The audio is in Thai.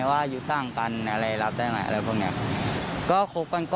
ให้เขาคุยกับพระเมษรัวด้วย